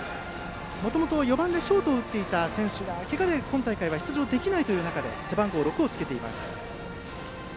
もともと４番でショートを打っていた選手がけがで、今大会は出場できないという中で背番号６をつけています。